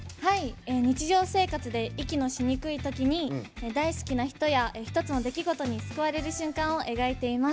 日常生活で息のしにくいときに大好きな人や一つの出来事に救われる瞬間を描いています。